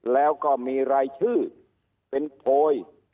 แล้วก็มีรายชื่อเป็นโพย